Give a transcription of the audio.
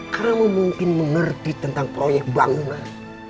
kamu mungkin mengerti tentang proyek bangunan